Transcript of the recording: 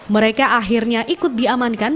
mereka akhirnya ikut diamankan